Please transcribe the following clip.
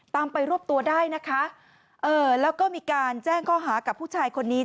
ไปรวบตัวได้นะคะเออแล้วก็มีการแจ้งข้อหากับผู้ชายคนนี้